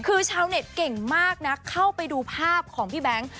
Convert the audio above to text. คือชาวเน็ตเก่งมากนะเข้าไปดูภาพของพี่แบงค์